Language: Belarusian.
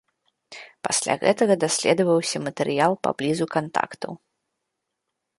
Пасля гэтага даследаваўся матэрыял паблізу кантактаў.